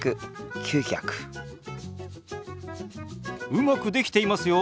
うまくできていますよ